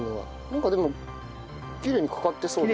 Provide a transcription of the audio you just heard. なんかでもきれいにかかってそう。